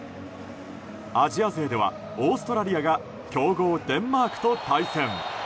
アジア勢ではオーストラリアが強豪デンマークと対戦。